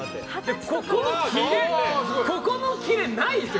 ここのキレないですよ。